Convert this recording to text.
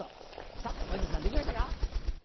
さぁ小遊三さんできましたか？